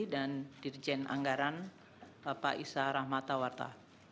dan dirjen anggaran bapak isa rahmatawarta